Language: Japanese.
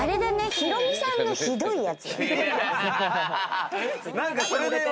ヒロミさんのひどいやつ。